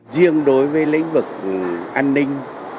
riêng đối với lĩnh vực an ninh